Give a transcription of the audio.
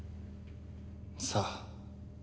さあ。